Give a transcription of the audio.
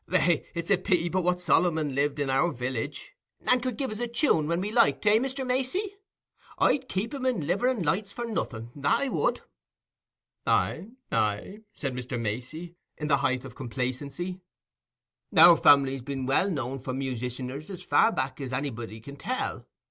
Eh, it's a pity but what Solomon lived in our village, and could give us a tune when we liked; eh, Mr. Macey? I'd keep him in liver and lights for nothing—that I would." "Aye, aye," said Mr. Macey, in the height of complacency; "our family's been known for musicianers as far back as anybody can tell.